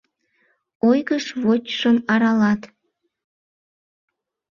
Ойгыш вочшым аралат.